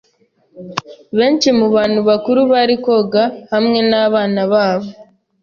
Benshi mubantu bakuru bari koga hamwe nabana babo.